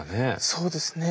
そうですね。